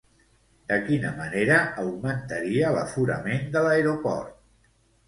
De quina manera augmentaria l'aforament de l'aeroport?